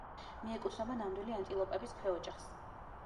მიეკუთვნება ნამდვილი ანტილოპების ქვეოჯახს.